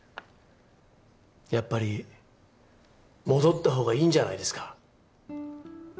やっぱり戻ったほうがいいんじゃないですか？